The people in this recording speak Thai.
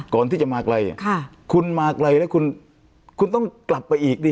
ก่อนที่จะมาไกลคุณมาไกลแล้วคุณคุณต้องกลับไปอีกดิ